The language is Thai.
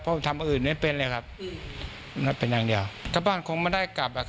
เพราะทำอันอื่นไม่เป็นเลยครับเป็นอย่างเดียวถ้าบ้านคงไม่ได้กลับอ่ะครับ